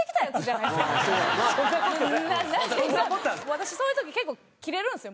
私そういう時結構キレるんですよ